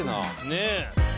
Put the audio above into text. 「ねえ！」